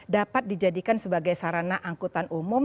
dapat dijadikan sebagai sarana angkutan umum